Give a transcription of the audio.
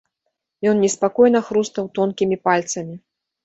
Ён неспакойна хрустаў тонкімі пальцамі.